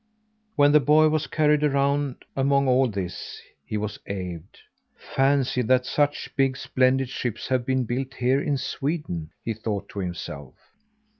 When the boy was carried around among all this, he was awed. "Fancy that such big, splendid ships have been built here in Sweden!" he thought to himself.